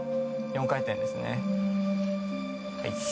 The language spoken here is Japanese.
４回転ですね。